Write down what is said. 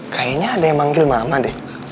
kayaknya ada yang manggil mama deh